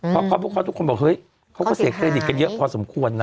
เพราะพวกเขาทุกคนบอกเฮ้ยเขาก็เสียเครดิตกันเยอะพอสมควรนะ